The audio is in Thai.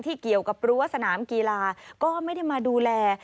เกี่ยวกับรั้วสนามกีฬาก็ไม่ได้มาดูแล